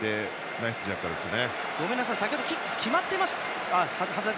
ナイスジャッカルですね。